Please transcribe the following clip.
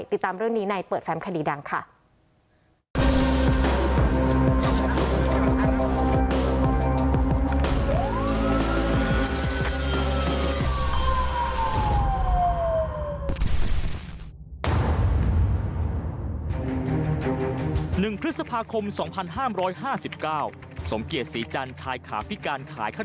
ติดตามเรื่องนี้ในเปิดแฟมคดีดังค่ะ